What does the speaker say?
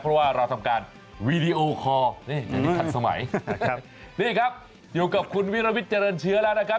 เพราะว่าเราทำการวีดีโอคอร์นี่อย่างนี้ทันสมัยนะครับนี่ครับอยู่กับคุณวิรวิทย์เจริญเชื้อแล้วนะครับ